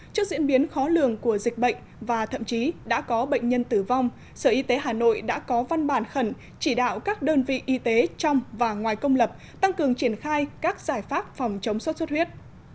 trước diễn biến khó lường của dịch bệnh và thậm chí đã có bệnh nhân tử vong sở y tế hà nội đã có văn bản khẩn chỉ đạo các đơn vị y tế trong và ngoài công lập tăng cường triển khai các giải pháp phòng chống sốt xuất huyết